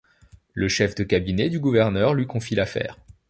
Le chef de cabinet du gouverneur lui confie l'affaire.